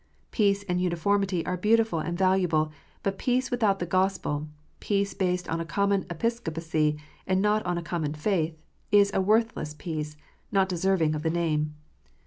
Peace and uniformity are beautiful and valuable : but peace without the Gospel, peace based on a common Episcopacy, and not on a common faith, is a worthless peace, not deserving of the name.